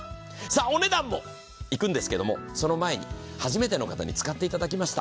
お値段もいくんですけれども、その前に初めての方に使っていただきました。